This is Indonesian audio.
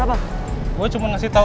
dari pagi banyak banget yang nyariin lu